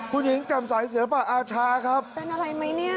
คุณหญิงจำไสสิลปะอาชาครับเป็นอะไรมั้ยเนี่ย